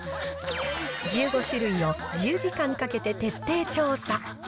１５種類を１０時間かけて徹底調査。